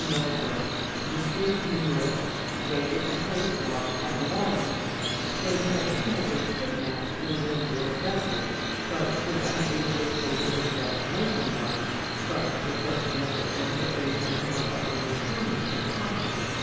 Northrop, of the State of New York, dated and postmarked at New Orleans, stating that he had been kidnapped and was on board a vessel, but was unable to state what his destination was; but requesting Mr. N. to aid him in recovering his freedom, if possible.